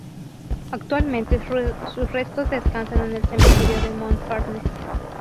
Actualmente sus restos descansan en el cementerio de Montparnasse.